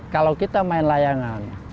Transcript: kalau kita main layangan